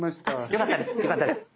よかったです。